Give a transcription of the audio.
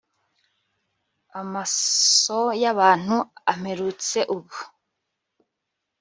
amaso y'abantu amperutse ubu